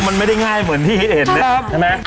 มันไม่ได้ง่ายเหมือนที่คิดเห็นเลยใช่ไหม